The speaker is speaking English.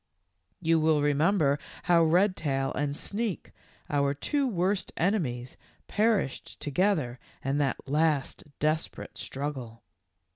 " You will remember how Redtail and Sneak, our two worst enemies, perished together in that last desperate struggle.